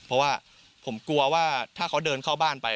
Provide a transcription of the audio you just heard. เพราะว่าผมกลัวว่าถ้าเขาเดินเข้าบ้านไป